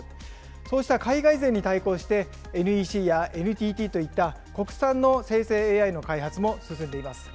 そうした海外勢に対抗して、ＮＥＣやＮＴＴといった国産の生成ＡＩの開発も進んでいます。